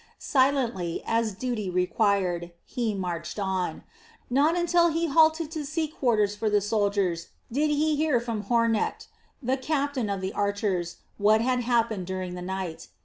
Silently, as duty required, he marched on. Not until he halted to seek quarters for the soldiers did he hear from Hornecht, the captain of the archers, what had happened during the night.